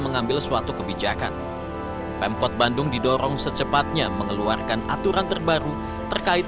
mengambil suatu kebijakan pemkot bandung didorong secepatnya mengeluarkan aturan terbaru terkait